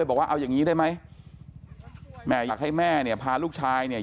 บอกว่าเอาอย่างงี้ได้ไหมแม่อยากให้แม่เนี่ยพาลูกชายเนี่ย